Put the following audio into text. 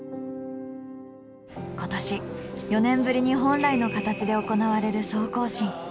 今年４年ぶりに本来の形で行われる総行進。